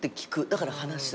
だから話す。